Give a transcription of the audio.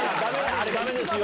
あれだめですよ。